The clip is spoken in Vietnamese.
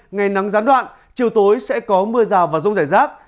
ngày nắng gián đoạn chiều tối sẽ có mưa rào và rông rải rác